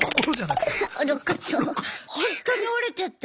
ほんとに折れちゃった。